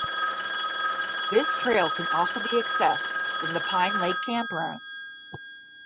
This trail can also be accessed from the Pine Lake Campground.